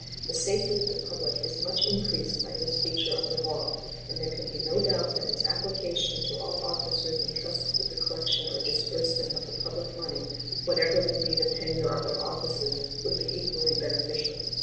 The safety of the public is much increased by this feature of the law, and there can be no doubt that its application to all officers intrusted with the collection or disbursement of the public money, whatever may be the tenure of their offices, would be equally beneficial.